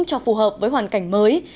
cho phù hợp với hoàn cảnh mới